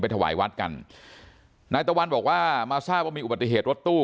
ถวายวัดกันนายตะวันบอกว่ามาทราบว่ามีอุบัติเหตุรถตู้